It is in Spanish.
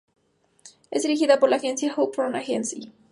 Es dirigida por la agencia Up Front Agency.